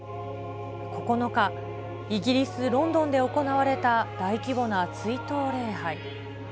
９日、イギリス・ロンドンで行われた大規模な追悼礼拝。